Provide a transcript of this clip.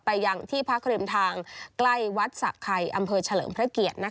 ไปยังที่พระคริมทางใกล้วัดศักรายอำเภอเฉลิมพระเกียรตินะคะ